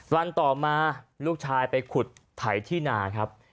วันต่อมาลูกชายไปขุดไถที่นาครับ